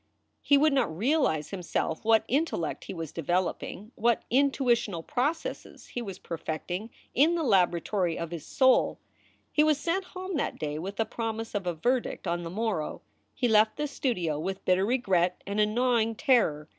He would not realize, himself, what intellect he was developing, what intuitional processes he was per fecting in the laboratory of his soul, He was sent home that day with a promise of a verdict on the morrow. He left the studio with bitter regret and a gnawing terror.